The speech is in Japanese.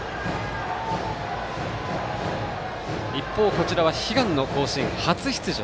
一方、こちらは悲願の甲子園初出場。